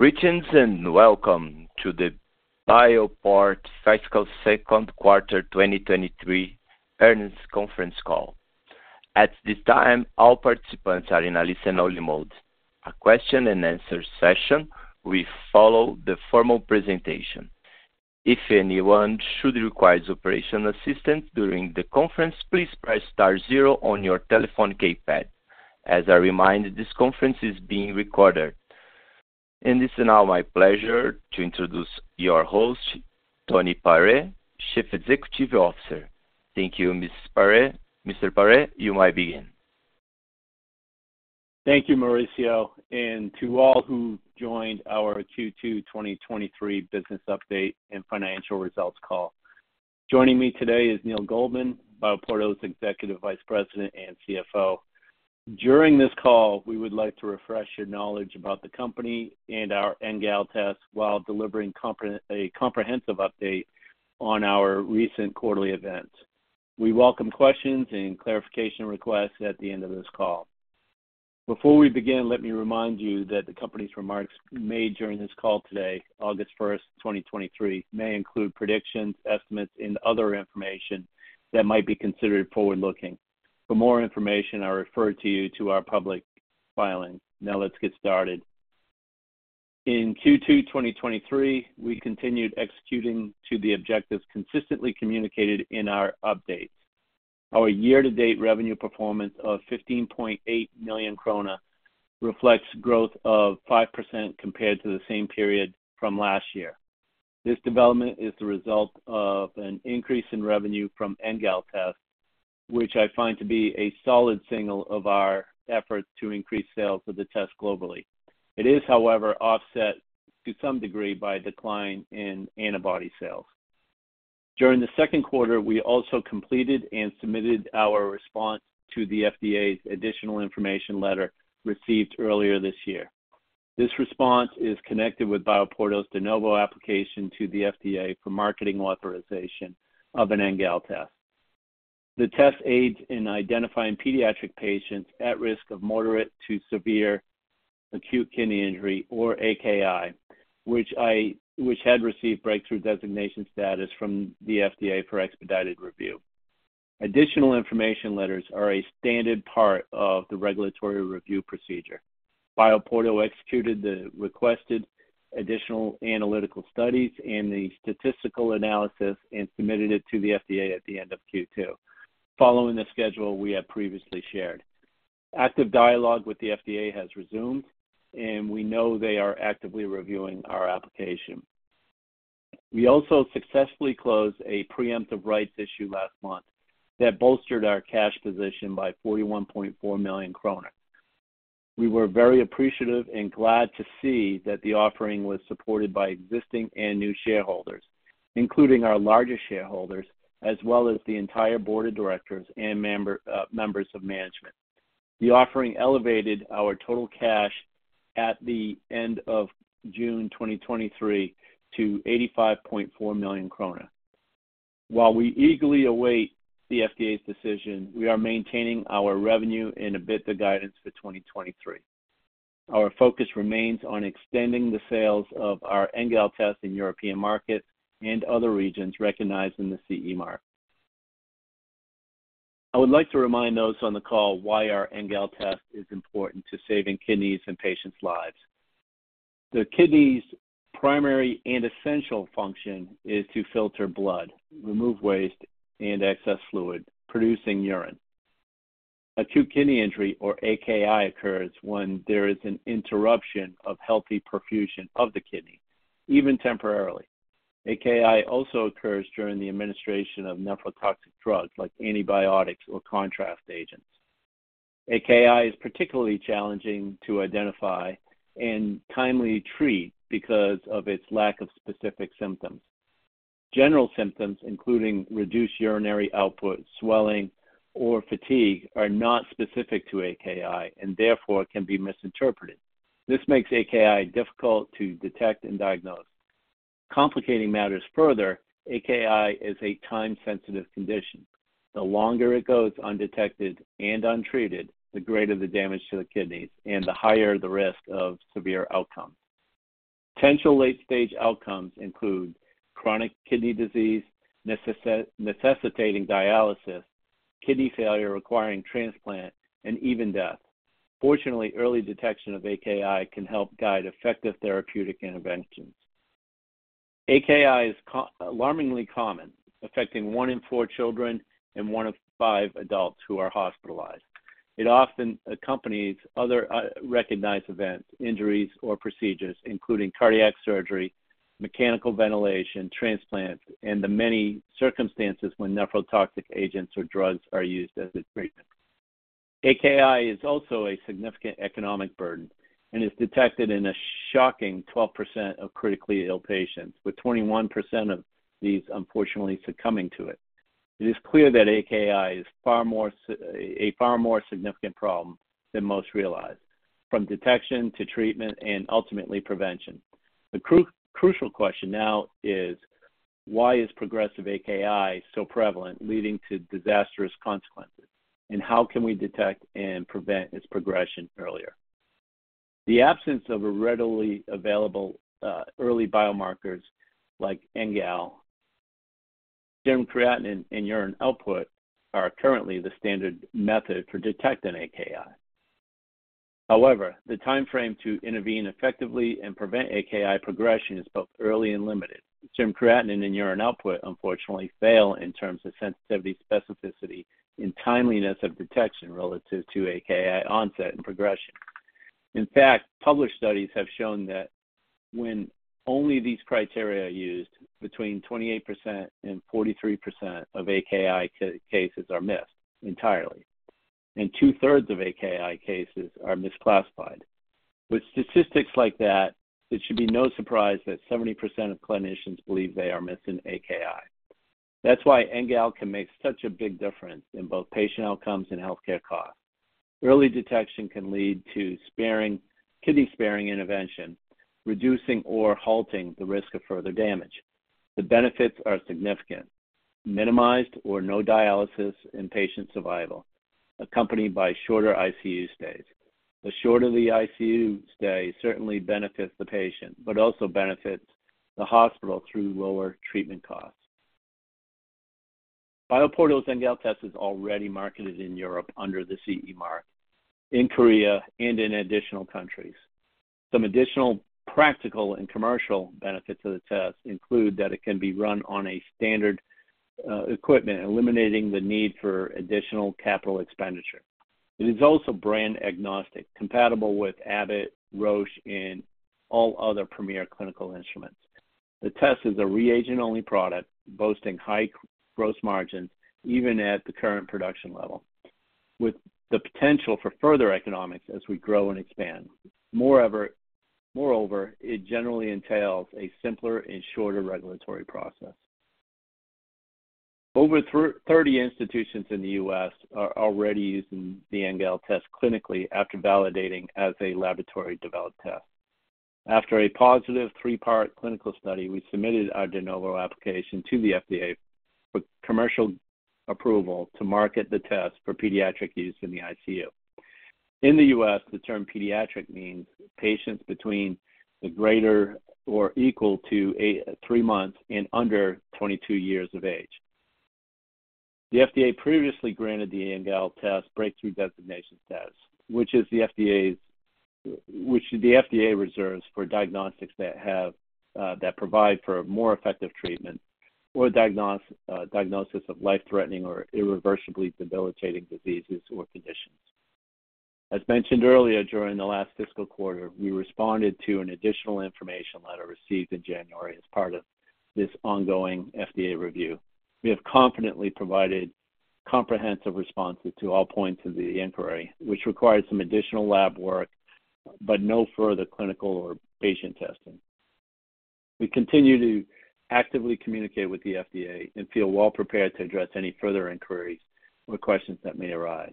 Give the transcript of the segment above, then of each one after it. Greetings, welcome to the BioPorto Fiscal Second Quarter 2023 Earnings Conference Call. At this time, all participants are in a listen-only mode. A question and answer session will follow the formal presentation. If anyone should require operational assistance during the conference, please press star zero on your telephone keypad. As a reminder, this conference is being recorded. It is now my pleasure to introduce your host, Tony Pare, Chief Executive Officer. Thank you, Mr. Pare. Mr. Pare, you may begin. Thank you, Mauricio. To all who joined our Q2 2023 Business Update and Financial Results Call. Joining me today is Neil Goldman, BioPorto's Executive Vice President and CFO. During this call, we would like to refresh your knowledge about the company and our NGAL test while delivering a comprehensive update on our recent quarterly events. We welcome questions and clarification requests at the end of this call. Before we begin, let me remind you that the company's remarks made during this call today, August 1st, 2023, may include predictions, estimates, and other information that might be considered forward-looking. For more information, I refer to you to our public filings. Now, let's get started. In Q2 2023, we continued executing to the objectives consistently communicated in our updates. Our year-to-date revenue performance of 15.8 million krone reflects growth of 5% compared to the same period from last year. This development is the result of an increase in revenue from NGAL test, which I find to be a solid signal of our efforts to increase sales of the test globally. It is, however, offset to some degree by a decline in antibody sales. During the second quarter, we also completed and submitted our response to the FDA's Additional Information letter received earlier this year. This response is connected with BioPorto's de novo application to the FDA for marketing authorization of an NGAL test. The test aids in identifying pediatric patients at risk of moderate to severe acute kidney injury, or AKI, which had received Breakthrough Designation status from the FDA for expedited review. Additional information letters are a standard part of the regulatory review procedure. BioPorto executed the requested additional analytical studies and the statistical analysis and submitted it to the FDA at the end of Q2, following the schedule we had previously shared. Active dialogue with the FDA has resumed, and we know they are actively reviewing our application. We also successfully closed a preemptive rights issue last month that bolstered our cash position by 41.4 million kroner. We were very appreciative and glad to see that the offering was supported by existing and new shareholders, including our largest shareholders, as well as the entire board of directors and member, members of management. The offering elevated our total cash at the end of June 2023 to 85.4 million krone. While we eagerly await the FDA's decision, we are maintaining our revenue and EBITDA guidance for 2023. Our focus remains on extending the sales of our NGAL test in European markets and other regions recognized in the CE mark. I would like to remind those on the call why our NGAL test is important to saving kidneys and patients' lives. The kidney's primary and essential function is to filter blood, remove waste and excess fluid, producing urine. Acute kidney injury, or AKI, occurs when there is an interruption of healthy perfusion of the kidney, even temporarily. AKI also occurs during the administration of nephrotoxic drugs, like antibiotics or contrast agents. AKI is particularly challenging to identify and timely treat because of its lack of specific symptoms. General symptoms, including reduced urinary output, swelling, or fatigue, are not specific to AKI and therefore can be misinterpreted. This makes AKI difficult to detect and diagnose. Complicating matters further, AKI is a time-sensitive condition. The longer it goes undetected and untreated, the greater the damage to the kidneys and the higher the risk of severe outcomes. Potential late-stage outcomes include chronic kidney disease, necessitating dialysis, kidney failure requiring transplant, and even death. Fortunately, early detection of AKI can help guide effective therapeutic interventions. AKI is alarmingly common, affecting one in four children and one in five adults who are hospitalized. It often accompanies other recognized events, injuries, or procedures, including cardiac surgery, mechanical ventilation, transplants, and the many circumstances when nephrotoxic agents or drugs are used as its treatment. AKI is also a significant economic burden and is detected in a shocking 12% of critically ill patients, with 21% of these unfortunately succumbing to it. It is clear that AKI is far more a far more significant problem than most realize, from detection to treatment and ultimately prevention. The crucial question now is: Why is progressive AKI so prevalent, leading to disastrous consequences? How can we detect and prevent its progression earlier? The absence of a readily available, early biomarkers like NGAL, serum creatinine, and urine output are currently the standard method for detecting AKI. However, the time frame to intervene effectively and prevent AKI progression is both early and limited. Serum creatinine and urine output unfortunately fail in terms of sensitivity, specificity, and timeliness of detection relative to AKI onset and progression. In fact, published studies have shown that when only these criteria are used, between 28% and 43% of AKI cases are missed entirely, and two-thirds of AKI cases are misclassified. With statistics like that, it should be no surprise that 70% of clinicians believe they are missing AKI. That's why NGAL can make such a big difference in both patient outcomes and healthcare costs. Early detection can lead to sparing, kidney sparing intervention, reducing or halting the risk of further damage. The benefits are significant: minimized or no dialysis and patient survival, accompanied by shorter ICU stays. The shorter the ICU stay certainly benefits the patient, but also benefits the hospital through lower treatment costs. BioPorto's NGAL test is already marketed in Europe under the CE mark, in Korea, and in additional countries. Some additional practical and commercial benefits of the test include that it can be run on a standard equipment, eliminating the need for additional capital expenditure. It is also brand agnostic, compatible with Abbott, Roche, and all other premier clinical instruments. The test is a reagent-only product, boasting high gross margins, even at the current production level, with the potential for further economics as we grow and expand. Moreover, it generally entails a simpler and shorter regulatory process. Over 30 institutions in the U.S. are already using the NGAL test clinically after validating as a laboratory-developed test. After a positive three-part clinical study, we submitted our de novo application to the FDA for commercial approval to market the test for pediatric use in the ICU. In the U.S., the term pediatric means patients between the greater or equal to a, three months and under 22 years of age. The FDA previously granted the NGAL test Breakthrough Designation status, which is the FDA's, which the FDA reserves for diagnostics that have, that provide for a more effective treatment or diagnosis of life-threatening or irreversibly debilitating diseases or conditions. As mentioned earlier, during the last fiscal quarter, we responded to an Additional Information letter received in January as part of this ongoing FDA review. We have confidently provided comprehensive responses to all points of the inquiry, which required some additional lab work, but no further clinical or patient testing. We continue to actively communicate with the FDA and feel well prepared to address any further inquiries or questions that may arise.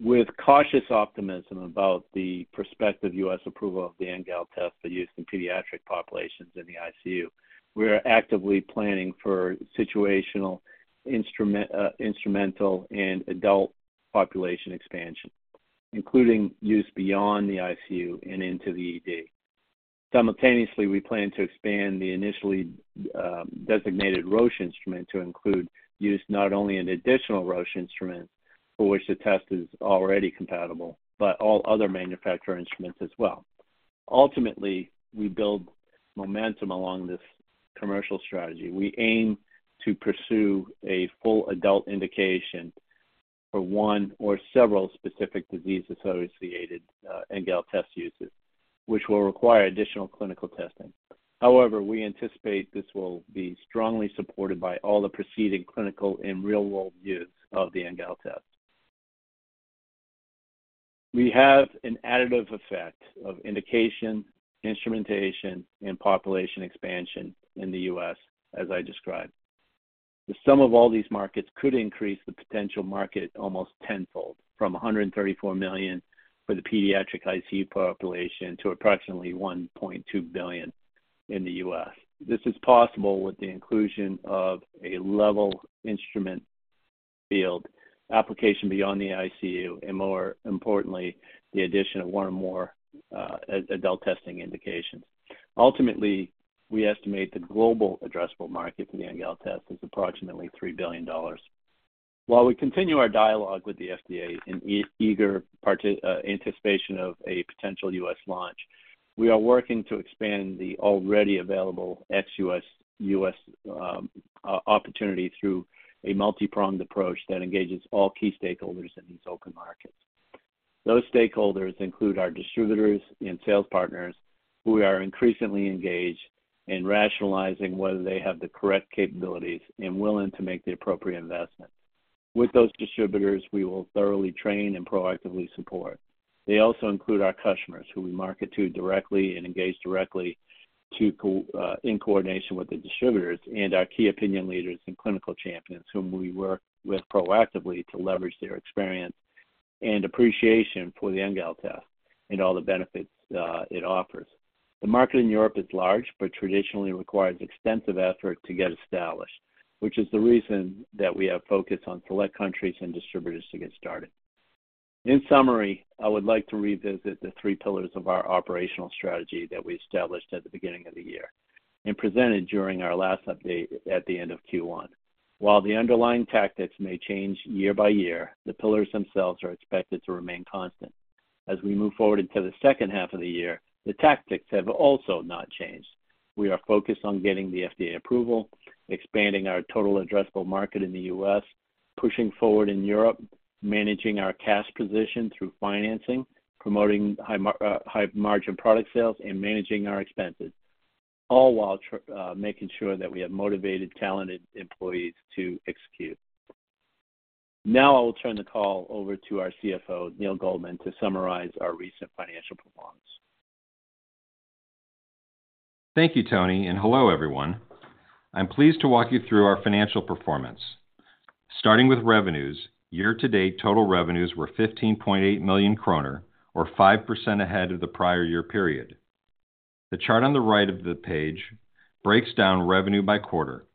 With cautious optimism about the prospective U.S. approval of the NGAL test for use in pediatric populations in the ICU, we are actively planning for situational instrument, instrumental and adult population expansion, including use beyond the ICU and into the ED. Simultaneously, we plan to expand the initially designated Roche instrument to include use not only in additional Roche instruments, for which the test is already compatible, but all other manufacturer instruments as well. Ultimately, we build momentum along this commercial strategy. We aim to pursue a full adult indication for one or several specific disease-associated NGAL test uses, which will require additional clinical testing. However, we anticipate this will be strongly supported by all the preceding clinical and real-world use of the NGAL test. We have an additive effect of indication, instrumentation, and population expansion in the U.S., as I described. The sum of all these markets could increase the potential market almost tenfold, from $134 million for the pediatric ICU population to approximately $1.2 billion in the U.S. This is possible with the inclusion of a level instrument field application beyond the ICU, and more importantly, the addition of one or more adult testing indications. Ultimately, we estimate the global addressable market for the NGAL test is approximately $3 billion. While we continue our dialogue with the FDA in eager anticipation of a potential U.S. launch, we are working to expand the already available ex-U.S., U.S. opportunity through a multipronged approach that engages all key stakeholders in these open markets. Those stakeholders include our distributors and sales partners, who we are increasingly engaged in rationalizing whether they have the correct capabilities and willing to make the appropriate investment. With those distributors, we will thoroughly train and proactively support. They also include our customers, who we market to directly and engage directly to co- in coordination with the distributors and our key opinion leaders and clinical champions, whom we work with proactively to leverage their experience and appreciation for the NGAL test and all the benefits it offers. The market in Europe is large, but traditionally requires extensive effort to get established, which is the reason that we have focused on select countries and distributors to get started. In summary, I would like to revisit the three pillars of our operational strategy that we established at the beginning of the year and presented during our last update at the end of Q1. While the underlying tactics may change year by year, the pillars themselves are expected to remain constant. As we move forward into the second half of the year, the tactics have also not changed. We are focused on getting the FDA approval, expanding our total addressable market in the U.S., pushing forward in Europe, managing our cash position through financing, promoting high-margin product sales, and managing our expenses, all while making sure that we have motivated, talented employees to execute. Now, I will turn the call over to our CFO, Neil Goldman, to summarize our recent financial performance. Thank you, Tony, and hello, everyone. I'm pleased to walk you through our financial performance. Starting with revenues, year-to-date total revenues were 15.8 million kroner, or 5% ahead of the prior year period. The chart on the right of the page breaks down revenue by quarter.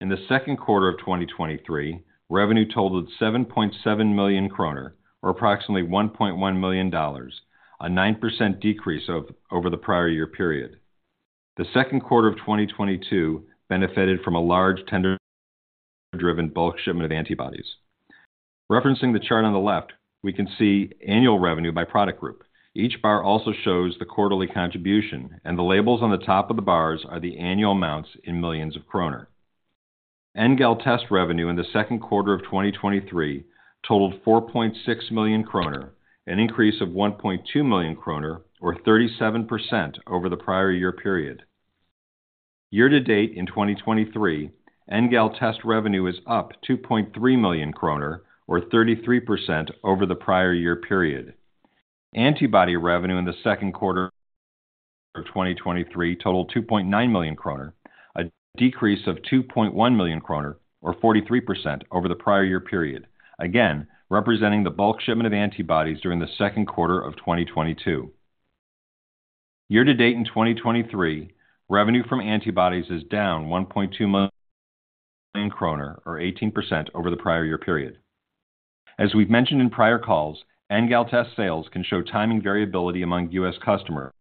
In the second quarter of 2023, revenue totaled 7.7 million kroner, or approximately $1.1 million, a 9% decrease over the prior year period. The second quarter of 2022 benefited from a large tender-driven bulk shipment of antibodies. Referencing the chart on the left, we can see annual revenue by product group. Each bar also shows the quarterly contribution, and the labels on the top of the bars are the annual amounts in millions of kroner. NGAL test revenue in the second quarter of 2023 totaled 4.6 million kroner, an increase of 1.2 million kroner, or 37% over the prior year period. Year-to-date, in 2023, NGAL test revenue is up 2.3 million kroner, or 33% over the prior year period. Antibody revenue in the second quarter of 2023 totaled 2.9 million kroner, a decrease of 2.1 million kroner or 43% over the prior year period, again, representing the bulk shipment of antibodies during the second quarter of 2022. Year-to-date, in 2023, revenue from antibodies is down 1.2 million kroner, or 18% over the prior year period. As we've mentioned in prior calls, NGAL test sales can show timing variability among U.S. customers,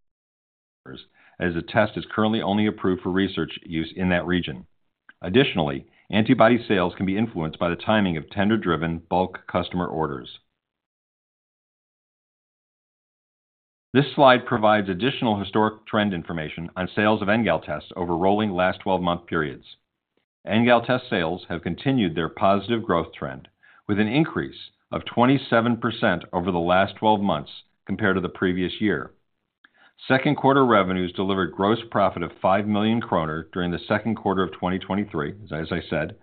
as the test is currently only approved for research use in that region. Additionally, antibody sales can be influenced by the timing of tender-driven bulk customer orders. This slide provides additional historic trend information on sales of NGAL tests over rolling last 12-month periods. NGAL test sales have continued their positive growth trend, with an increase of 27% over the last 12 months compared to the previous year. Second quarter revenues delivered gross profit of 5 million kroner during the second quarter of 2023, as I said,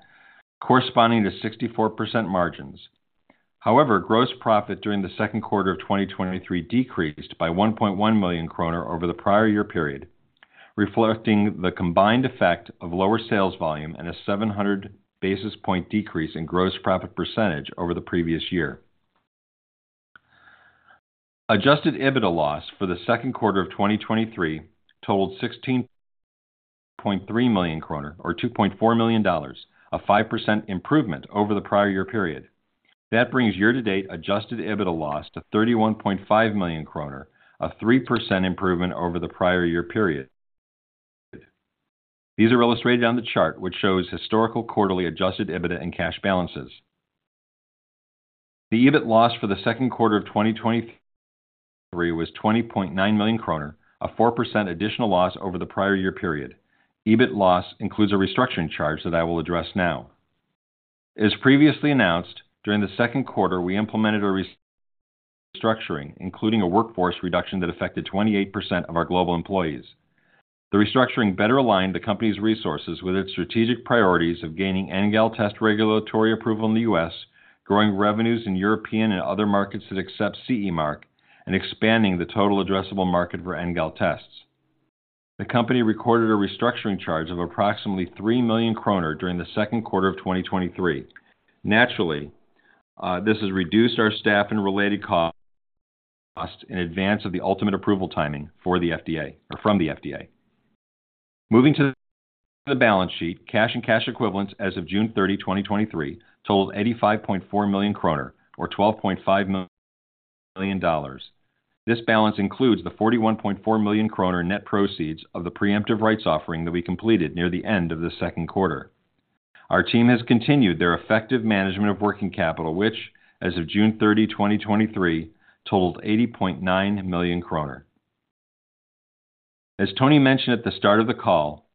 corresponding to 64% margins. However, gross profit during the second quarter of 2023 decreased by 1.1 million kroner over the prior year period, reflecting the combined effect of lower sales volume and a 700 basis point decrease in gross profit percentage over the previous year. Adjusted EBITDA loss for the second quarter of 2023 totaled 16.3 million kroner, or $2.4 million, a 5% improvement over the prior year period. That brings year-to-date adjusted EBITDA loss to 31.5 million kroner, a 3% improvement over the prior year period. These are illustrated on the chart, which shows historical quarterly adjusted EBITDA and cash balances. The EBIT loss for the second quarter of 2023 was 20.9 million kroner, a 4% additional loss over the prior year period. EBIT loss includes a restructuring charge that I will address now. As previously announced, during the second quarter, we implemented a restructuring, including a workforce reduction that affected 28% of our global employees. The restructuring better aligned the company's resources with its strategic priorities of gaining NGAL test regulatory approval in the U.S., growing revenues in European and other markets that accept CE mark, and expanding the total addressable market for NGAL tests. The company recorded a restructuring charge of approximately 3 million kroner during the second quarter of 2023. Naturally, this has reduced our staff and related costs, costs in advance of the ultimate approval timing for the FDA or from the FDA. Moving to the balance sheet, cash and cash equivalents as of June 30, 2023, totaled 85.4 million kroner, or $12.5 million. This balance includes the 41.4 million kroner net proceeds of the preemptive rights offering that we completed near the end of the second quarter. Our team has continued their effective management of working capital, which, as of June 30, 2023, totaled 80.9 million kroner. As Tony mentioned at the start of the call,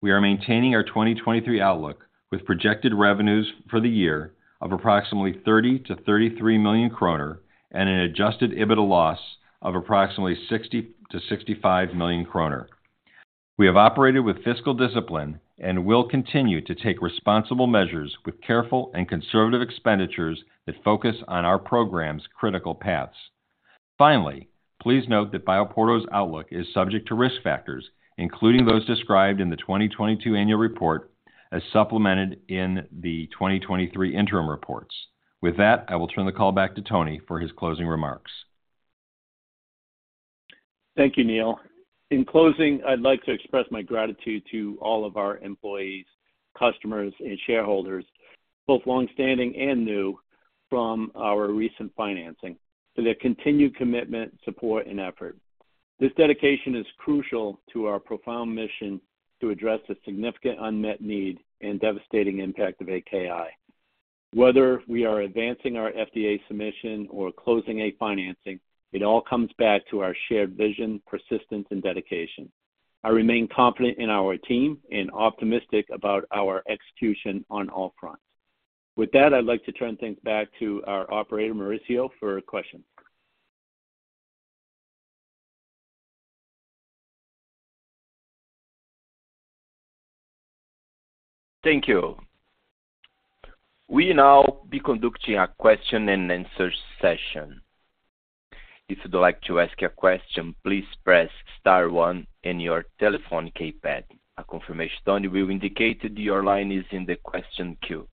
we are maintaining our 2023 outlook, with projected revenues for the year of approximately 30 million-33 million kroner and an adjusted EBITDA loss of approximately 60 million-65 million kroner. We have operated with fiscal discipline and will continue to take responsible measures with careful and conservative expenditures that focus on our program's critical paths. Finally, please note that BioPorto's outlook is subject to risk factors, including those described in the 2022 annual report, as supplemented in the 2023 interim reports. With that, I will turn the call back to Tony for his closing remarks. Thank you, Neil. In closing, I'd like to express my gratitude to all of our employees, customers, and shareholders, both long-standing and new, from our recent financing, for their continued commitment, support, and effort. This dedication is crucial to our profound mission to address the significant unmet need and devastating impact of AKI. Whether we are advancing our FDA submission or closing a financing, it all comes back to our shared vision, persistence, and dedication. I remain confident in our team and optimistic about our execution on all fronts. With that, I'd like to turn things back to our operator, Mauricio, for questions. Thank you. We now be conducting a question-and-answer session. If you'd like to ask a question, please press star one on your telephone keypad. A confirmation tone will indicate that your line is in the question queue.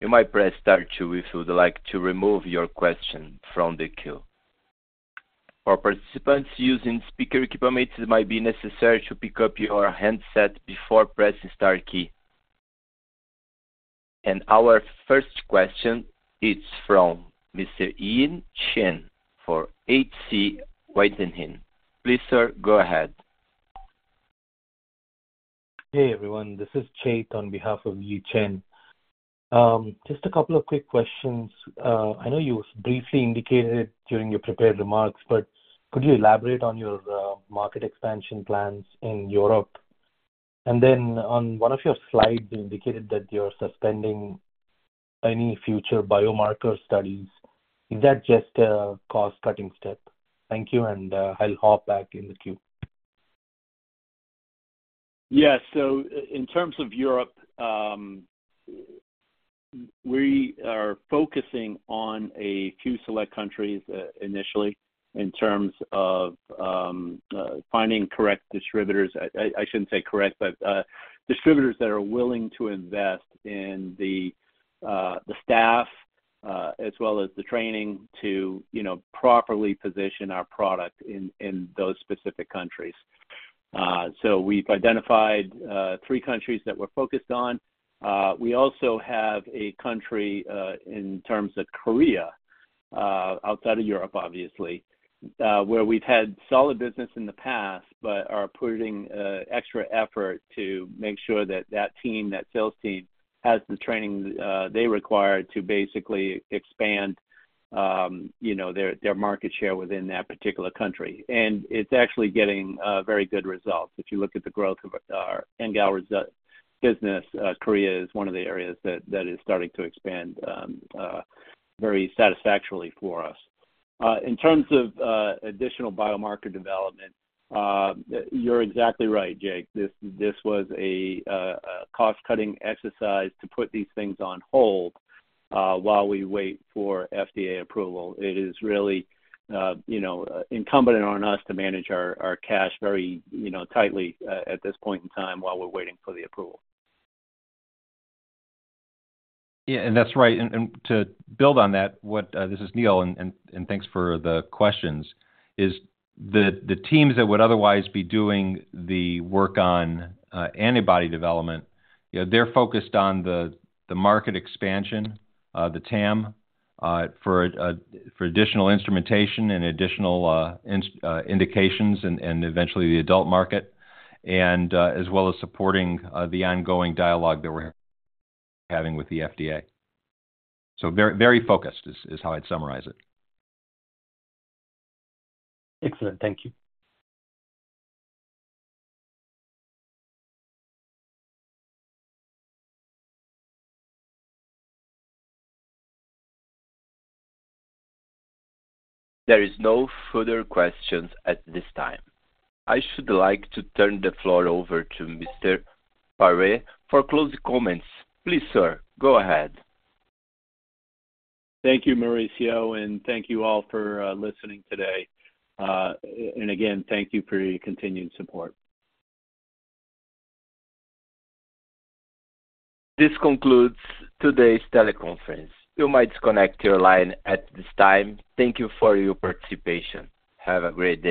You might press star two if you would like to remove your question from the queue. For participants using speaker equipment, it might be necessary to pick up your handset before pressing the star key. Our first question is from Mr. Yi Chen, for H.C. Wainwright. Please, sir, go ahead. Hey, everyone. This is Chait on behalf of Yi Chen. Just a couple of quick questions. I know you briefly indicated during your prepared remarks, but could you elaborate on your market expansion plans in Europe? On one of your slides, you indicated that you're suspending any future biomarker studies. Is that just a cost-cutting step? Thank you, I'll hop back in the queue. Yes. In terms of Europe, we are focusing on a few select countries, initially, in terms of finding correct distributors. I, I, shouldn't say correct, but distributors that are willing to invest in the staff, as well as the training to, you know, properly position our product in, in those specific countries. We've identified three countries that we're focused on. We also have a country, in terms of Korea, outside of Europe, obviously, where we've had solid business in the past but are putting extra effort to make sure that that team, that sales team, has the training they require to basically expand, you know, their market share within that particular country. It's actually getting very good results. If you look at the growth of our NGAL business, Korea is one of the areas that, that is starting to expand, very satisfactorily for us. In terms of additional biomarker development, you're exactly right, Chait. This, this was a cost-cutting exercise to put these things on hold, while we wait for FDA approval. It is really, you know, incumbent on us to manage our, our cash very, you know, tightly, at this point in time, while we're waiting for the approval. Yeah, that's right. To build on that, this is Neil, thanks for the questions, is the teams that would otherwise be doing the work on antibody development, you know, they're focused on the market expansion, the TAM for additional instrumentation and additional indications and eventually the adult market, as well as supporting the ongoing dialogue that we're having with the FDA. Very, very focused is, is how I'd summarize it. Excellent. Thank you. There is no further questions at this time. I should like to turn the floor over to Mr. Pare for closing comments. Please, sir, go ahead. Thank you, Mauricio, and thank you all for listening today. Again, thank you for your continued support. This concludes today's teleconference. You might disconnect your line at this time. Thank you for your participation. Have a great day.